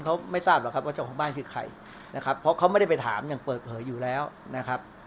เขาไม่ทราบหรอกครับว่าเจ้าของบ้านคือใครนะครับเพราะเขาไม่ได้ไปถามอย่างเปิดเผยอยู่แล้วนะครับ